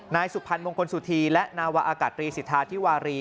นายสุพรรณมงคลสุธีและนาวาอากาศรีสิทธาธิวารี